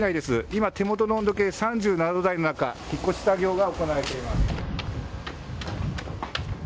今、手元の温度計３７度台の中、引っ越し作業が行われています。